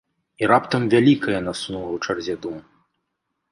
І раптам вялікае насунула ў чарзе дум.